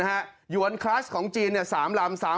หวนคลัสของจีน๓ลำ